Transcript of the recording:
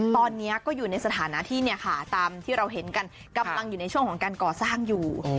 ตอนนี้ก็อยู่ในสถานะที่เนี่ยค่ะตามที่เราเห็นกันกำลังอยู่ในช่วงของการก่อสร้างอยู่